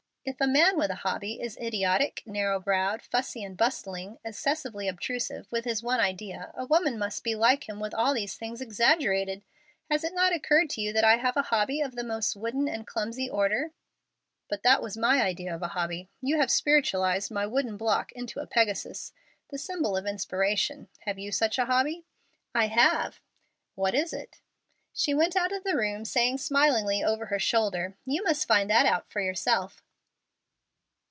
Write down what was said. If a man with a hobby is idiotic, narrow browed, fussy and bustling, excessively obtrusive with his one idea, a woman must be like him with all these things exaggerated. Has it not occurred to you that I have a hobby of the most wooden and clumsy order?" "But that was my idea of a hobby. You have spiritualized my wooden block into a Pegasus the symbol of inspiration. Have you such a hobby?" "I have." "What is it?" She went out of the room, saying smilingly over her shoulder, "You must find that out for yourself."